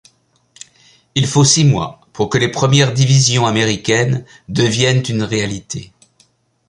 Il faut six mois pour que les premières divisions américaines deviennent une réalité.